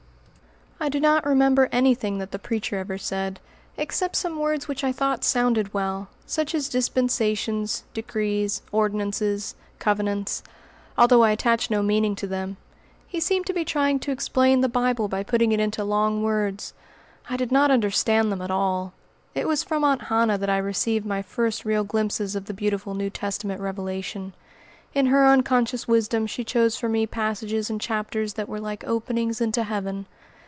I do not remember anything that the preacher ever said, except some words which I thought sounded well, such as "dispensations," "decrees," "ordinances," "covenants," although I attached no meaning to them. He seemed to be trying to explain the Bible by putting it into long words. I did not understand them at all. It was from Aunt Hannah that I received my first real glimpses of the beautiful New Testament revelation. In her unconscious wisdom she chose for me passages and chapters that were like openings into heaven.